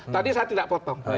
tadi saya tidak potong